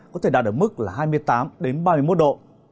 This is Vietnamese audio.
có thể đạt ở mức là hai mươi tám ba mươi một độ